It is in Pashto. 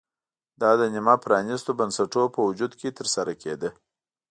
دا د نیمه پرانېستو بنسټونو په وجود کې ترسره کېده